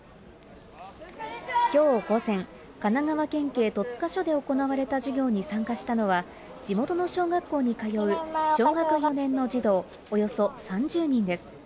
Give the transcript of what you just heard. きょう午前、神奈川県警戸塚署で行われた授業に参加したのは、地元の小学校に通う小学５年の児童およそ３０人です。